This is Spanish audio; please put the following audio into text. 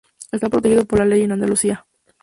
Está protegido por la ley en Andalucía.